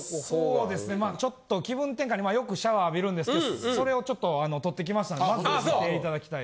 そうですねまあちょっと気分転換によくシャワー浴びるんですけどそれをちょっと撮ってきましたんでまず見ていただきたい。